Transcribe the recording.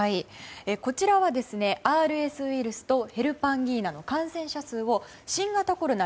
こちらは、ＲＳウイルスとヘルパンギーナの感染者数を新型コロナ